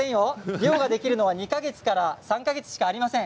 漁ができるのは２か月から３か月しかありません。